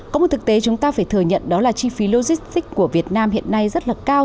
có một thực tế chúng ta phải thừa nhận đó là chi phí logistics của việt nam hiện nay rất là cao